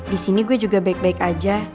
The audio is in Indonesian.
disini gue juga baik baik aja